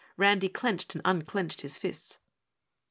Randy clenched and unclenched his fists.